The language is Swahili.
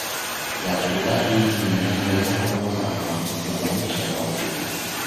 ya kubadili mienendo yao ya maisha Wakimbizi au au